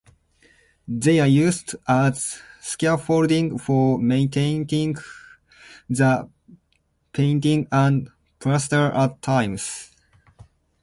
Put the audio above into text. They are used as scaffolding for maintaining the painting and plaster at times.